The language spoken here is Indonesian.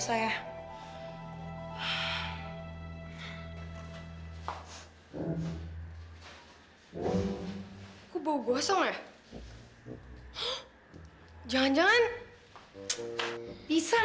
kayak keganjol gitu